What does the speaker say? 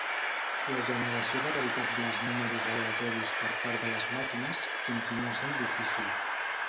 La generació de veritables números aleatoris per part de les màquines continua sent difícil.